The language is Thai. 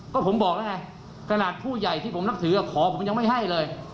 ก็ผมบอกแล้วไงขนาดผู้ใหญ่ที่ผมนับถือขอผมยังไม่ให้เลย